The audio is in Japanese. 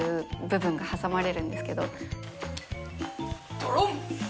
ドロン！